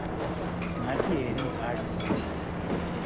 घाँटी हेरी हाड निल्नु ।